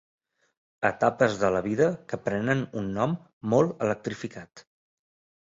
Etapes de la vida que prenen un nom molt electrificat.